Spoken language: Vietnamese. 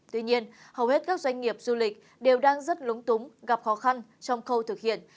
tuy nhiên hầu hết các doanh nghiệp du lịch đều đang rất lúng túng gặp khó khăn trong khâu thực hiện